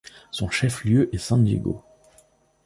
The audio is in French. Son chef-lieu est San Diego.